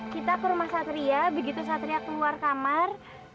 kita ke rumah satria begitu satria keluar kamar